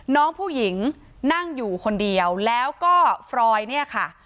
น้องผู้หญิงนั่งอยู่คนเดียวแล้วก็ฟรอยเนี่ยค่ะ